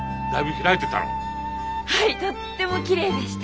とってもきれいでした。